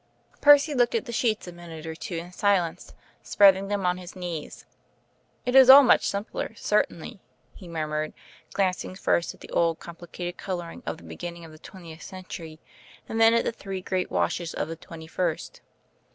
Percy looked at the sheets a minute or two in silence, spreading them on his knees. "It is all much simpler, certainly," he murmured, glancing first at the old complicated colouring of the beginning of the twentieth century, and then at the three great washes of the twenty first.